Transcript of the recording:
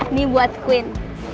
ini buat queen